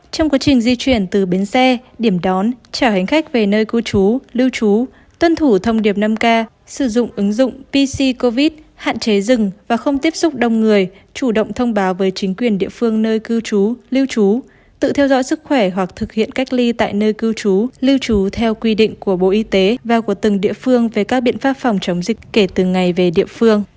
trong quá trình di chuyển từ bến xe điểm đón trả hành khách về nơi cư trú lưu trú tuân thủ thông điệp năm k sử dụng ứng dụng pc covid hạn chế rừng và không tiếp xúc đông người chủ động thông báo với chính quyền địa phương nơi cư trú lưu trú tự theo dõi sức khỏe hoặc thực hiện cách ly tại nơi cư trú lưu trú theo quy định của bộ y tế và của từng địa phương về các biện pháp phòng chống dịch kể từ ngày về địa phương